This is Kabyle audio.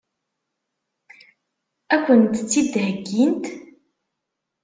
Ad kent-tt-id-heggint?